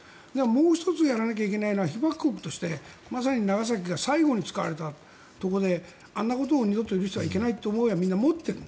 もう１つやらなきゃいけないのは被爆国として、まさに長崎が最後に使われたということであんなことを二度と許してはいけないという思いはみんな持ってる。